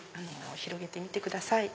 広げてみてください。